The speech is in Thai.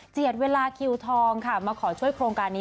เวลาคิวทองค่ะมาขอช่วยโครงการนี้